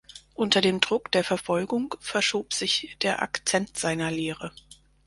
Unter dem Druck der Verfolgung verschob sich der Akzent seiner Lehre.